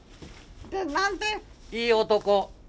いい男！